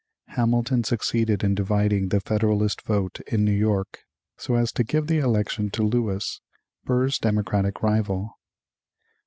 Hamilton succeeded in dividing the Federalist vote in New York so as to give the election to Lewis, Burr's democratic rival.